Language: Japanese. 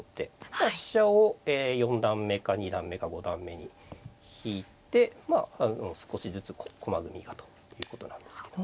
あとは飛車を四段目か二段目か五段目に引いて少しずつ駒組みがということなんですけど。